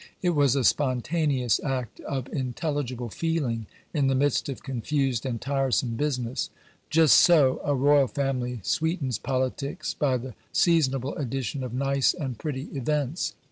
It was a spontaneous act of intelligible feeling in the midst of confused and tiresome business. Just so a royal family sweetens politics by the seasonable addition of nice and pretty events.